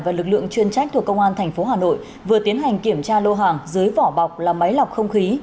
và lực lượng chuyên trách thuộc công an tp hà nội vừa tiến hành kiểm tra lô hàng dưới vỏ bọc là máy lọc không khí